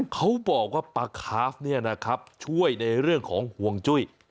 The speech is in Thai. เขาบอกว่าปลาคาฟเนี่ยนะครับช่วยในเรื่องของห่วงจุ้ย